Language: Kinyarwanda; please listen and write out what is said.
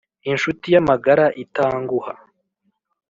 inshuti y’amagara itanguha